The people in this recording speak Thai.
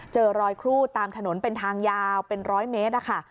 เจอรอยครูดตามถนนเป็นทางยาวเป็นร้อยเมตรนะคะ